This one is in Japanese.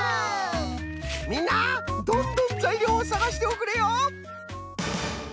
みんなどんどんざいりょうをさがしておくれよ！